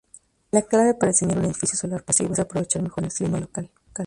La clave para diseñar un edificio solar pasivo es aprovechar mejor el clima local.